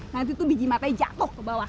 nanti biji mata nya jatuh kebawah